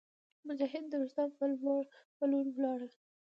مجاهدین د روستام په لور ولاړل.